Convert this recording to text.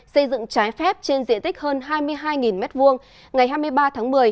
xây dựng trái phép trên diện tích hơn hai mươi hai m hai ngày hai mươi ba tháng một mươi